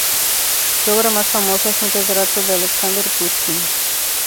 Su obra más famosa es un retrato de Alexander Pushkin.